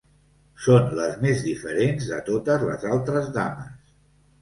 Són les més diferents de totes les altres dames.